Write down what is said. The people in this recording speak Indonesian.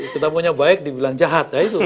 kita maunya baik dibilang jahat ya itu